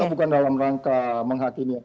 bukan dalam rangka menghakimi